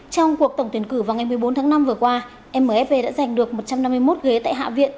trong cuộc tổng tuyển cử vào ngày một mươi bốn tháng năm vừa qua mfv đã giành được một trăm năm mươi một ghế tại hạ viện